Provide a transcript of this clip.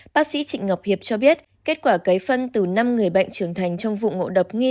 bác sĩ trịnh ngọc hiệp cho biết kết quả cấy phân từ năm người bệnh trưởng thành trong vụ ngộ độc nghi